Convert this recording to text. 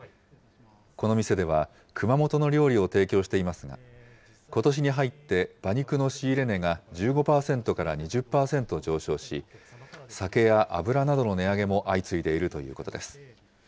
この店では、熊本の料理を提供していますが、ことしに入って馬肉の仕入れ値が１５％から２０％上昇し、酒や油などの値上げも相次いでいるということです。